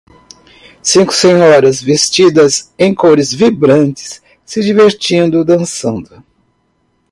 Cinco senhoras vestidas em cores vibrantes se divertindo dançando.